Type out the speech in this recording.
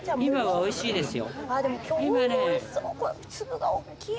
おいしいですよ。